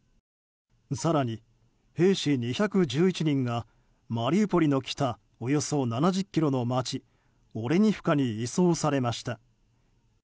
更に兵士２１１人がマリウポリの北およそ７０ｋｍの街オレニフカに移送されました。